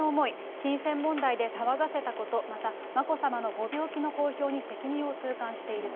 金銭問題で騒がせたこと、また眞子さまのご病気の公表に責任を痛感していると。